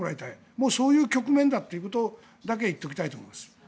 もうそういう局面だということだけは言っておきたいと思います。